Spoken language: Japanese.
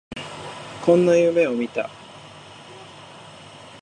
こんな夢を見た